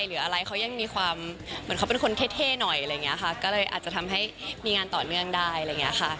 หรืออะไรเขายังมีความเหมือนเขาเป็นคนเท่หน่อยอะไรอย่างนี้ค่ะก็เลยอาจจะทำให้มีงานต่อเนื่องได้อะไรอย่างเงี้ยค่ะ